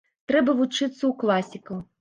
Трэба вучыцца ў класікаў.